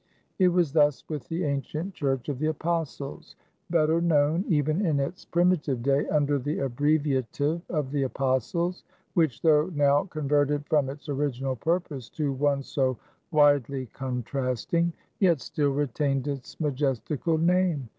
It was thus with the ancient Church of the Apostles better known, even in its primitive day, under the abbreviative of The Apostles which, though now converted from its original purpose to one so widely contrasting, yet still retained its majestical name.